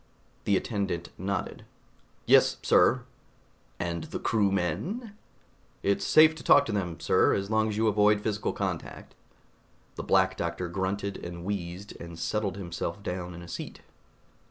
The attendant nodded. "Yes, sir." "And the crewmen?" "It's safe to talk to them, sir, as long as you avoid physical contact." The Black Doctor grunted and wheezed and settled himself down in a seat.